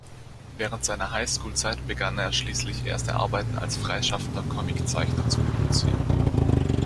Während seiner Highschool-Zeit begann er schließlich erste Arbeiten als freischaffender Comiczeichner zu produzieren.